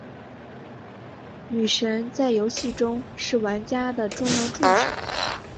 女神在游戏中是玩家的重要助手。